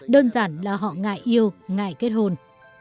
đơn giản là họ ngại yêu ngại kết hôn